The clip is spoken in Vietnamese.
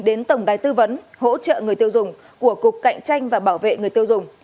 đến tổng đài tư vấn hỗ trợ người tiêu dùng của cục cạnh tranh và bảo vệ người tiêu dùng